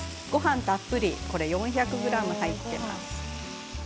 たっぷり４００ｇ入っています。